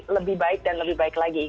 lebih baik dan lebih baik lagi